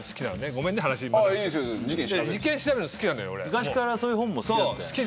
昔からそういう本も好きだった。